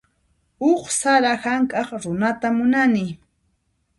Huk sara hank'aq runata munani.